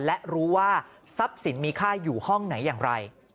และรู้ว่าทรัพย์สินมีค่าอยู่ห้องไหนอย่างไร